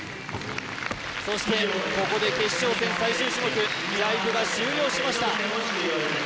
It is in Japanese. そしてここで決勝戦最終種目ジャイブが終了しました